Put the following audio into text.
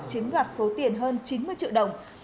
chiếm đoạt số tiền hơn chín mươi triệu usd